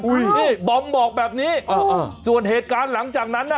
นี่บอมบอกแบบนี้ส่วนเหตุการณ์หลังจากนั้นน่ะ